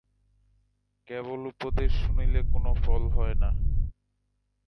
কেবল উপদেশ শুনিলে কোন ফল হয় না।